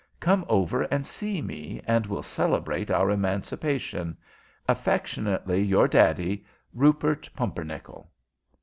Come over and see me, and we'll celebrate our emancipation. "Affectionately your daddy, "RUPERT PUMPERNICKEL."